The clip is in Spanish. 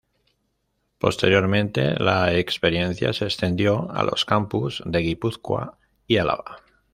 Posteriormente la experiencia se extendió a los campus de Guipúzcoa y Álava.